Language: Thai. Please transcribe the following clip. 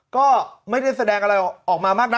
ก็ไม่ได้แสดงอะไรออกมามากนัก